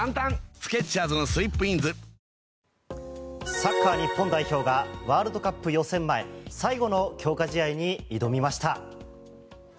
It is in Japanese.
サッカー日本代表がワールドカップ予選前最後の強化試合に挑みました。